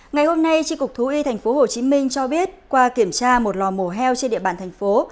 ngày hôm nay tri cục thú y tp hcm cho biết qua kiểm tra một lò mổ heo trên địa bàn thành phố